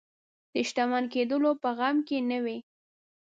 د شتمن کېدلو په غم کې نه وي.